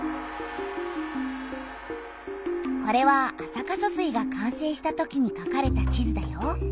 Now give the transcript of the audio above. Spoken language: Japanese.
これは安積疏水が完成したときにかかれた地図だよ。